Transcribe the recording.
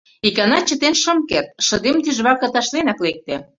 Икана чытен шым керт, шыдем тӱжваке ташленак лекте.